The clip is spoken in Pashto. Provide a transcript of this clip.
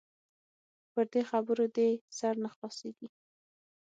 پر دې خبرو دې سر نه خلاصيږي.